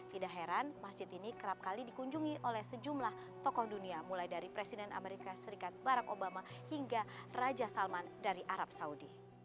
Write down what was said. tidak heran masjid ini kerap kali dikunjungi oleh sejumlah tokoh dunia mulai dari presiden amerika serikat barack obama hingga raja salman dari arab saudi